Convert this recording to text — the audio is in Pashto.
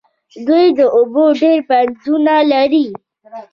دوی د اوبو ډیر بندونه لري.